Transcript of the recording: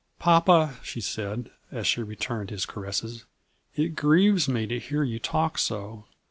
" Papa," she said, as she returned his caresses, " it grieves me to hear you talk so.